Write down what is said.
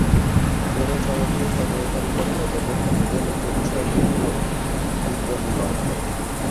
ভ্রমণ সামগ্রী সরবরাহকারীরা প্রায়ই তাদের পণ্যগুলির জন্য সর্বনিম্ন বিক্রয় মূল্য আরোপ করে।